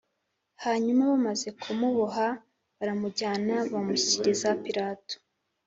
Hanyuma bamaze kumuboha baramujyana bamushyikiriza Pilato